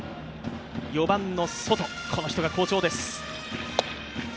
４番のソト、この人が好調です。